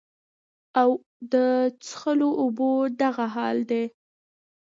او د څښلو اوبو دغه حال دے